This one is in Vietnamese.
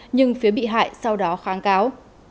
nhưng phía bị hại sau đó kháng cáo